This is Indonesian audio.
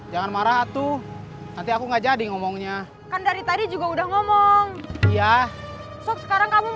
jangan marah tuh nanti aku nggak jadi ngomongnya kan dari tadi juga udah ngomong ya sok sekarang kamu